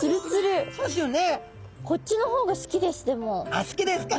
あっ好きですか。